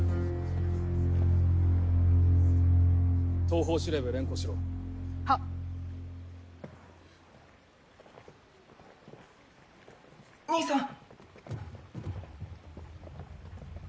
東方司令部へ連行しろはっ兄さん！